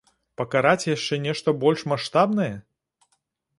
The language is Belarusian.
Пакараць яшчэ нешта больш маштабнае?